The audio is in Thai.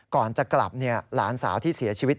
ก่อนจะกลับหลานสาวที่เสียชีวิต